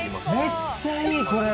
めっちゃいいこれ！